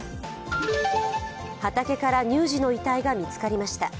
畑から乳児の遺体が見つかりました。